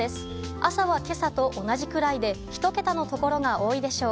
朝はけさと同じくらいで、１桁の所が多いでしょう。